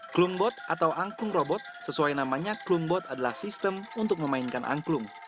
klumbot atau angklung robot sesuai namanya klumbot adalah sistem untuk memainkan angklung